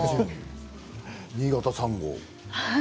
新潟３号。